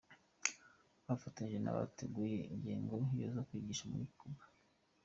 bafatanyije nabateguye ingendo zo kwigisha muri Cuba.